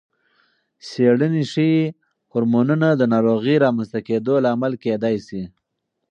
څېړنې ښيي، هورمونونه د ناروغۍ رامنځته کېدو لامل کېدای شي.